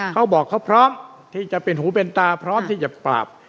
เขาบอกเขาพร้อมที่จะเป็นหูเป็นตาพร้อมที่จะปราบ